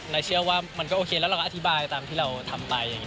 เชื่อว่ามันก็โอเคแล้วเราก็อธิบายตามที่เราทำไป